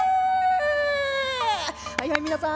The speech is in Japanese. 「はいはい皆さん